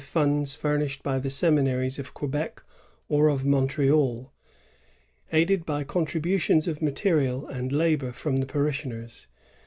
funds furnished by the seminaries of Quebec or of Montreal, aided by contributions of material and labor from the parishioners.